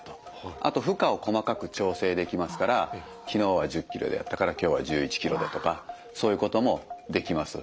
あと負荷を細かく調整できますから昨日は１０キロでやったから今日は１１キロでとかそういうこともできます。